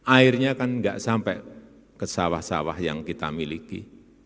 airnya kan nggak sampai ke sawah sawah yang kita miliki